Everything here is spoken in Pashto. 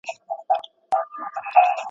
تاسو زما پیغام په پام سره ولولئ.